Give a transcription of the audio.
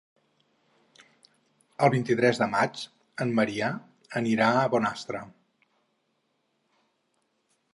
El vint-i-tres de maig en Maria anirà a Bonastre.